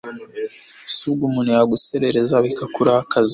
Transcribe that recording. subwo umuntu yaguserereza bikakurakaza